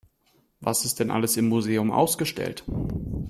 Was ist denn alles im Museum ausgestellt?